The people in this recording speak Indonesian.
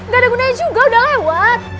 gak ada gunanya juga udah lewat